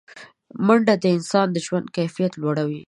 منډه د انسان د ژوند کیفیت لوړوي